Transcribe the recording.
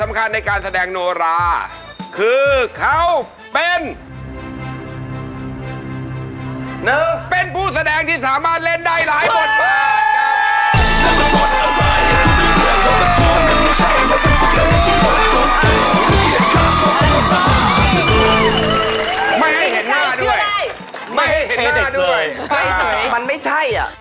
ไม่ให้เห็นหน้าด้วยไม่ให้เห็นหน้าด้วยไม่ใช่มันไม่ใช่อ่ะ